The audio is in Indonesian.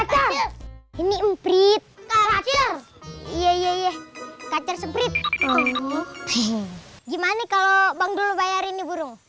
kacar kacar ini mp tiga d kacar kacar iya iya kacar sepip oh gimana kalau banggul bayarin burung tiga puluh